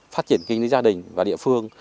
phát triển kinh tế gia đình và địa phương